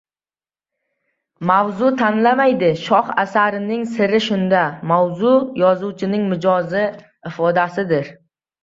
Mavzu tanlanmaydi. Shoh asarning siri shunda: mavzu – yozuvchining mijozi ifodasidir.